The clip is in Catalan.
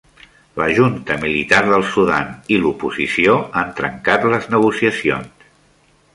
La junta militar del Sudan i l'oposició han trencat les negociacions